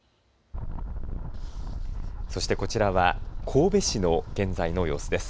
そしてこちらは神戸市の現在の様子です。